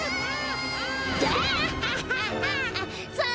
あ！